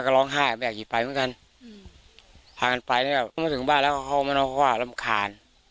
ก็ร้องไห้พระขาเด็กกลงไปเพื่อกันถึงเมื่อถึงบ้านเขาขอบค์ว่า